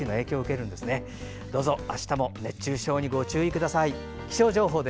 どうぞ、あしたも熱中症にご注意ください。